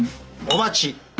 お待ち！